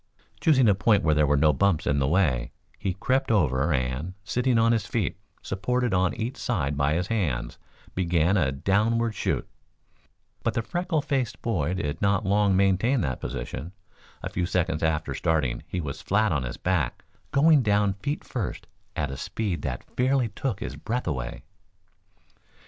Choosing a point where there were no bumps in the way, he crept over and, sitting on his feet, supported on each side by his hands, began a downward shoot. But the freckle faced boy did not long maintain that position. A few seconds after starting he was flat on his back, going down feet first at a speed that fairly took his breath away.